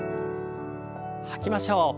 吐きましょう。